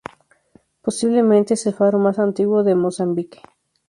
Posiblemente es el faro más antiguo de Mozambique.